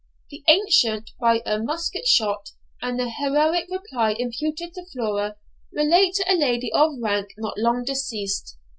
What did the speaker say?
The accident by a musket shot, and the heroic reply imputed to Flora, relate to a lady of rank not long deceased.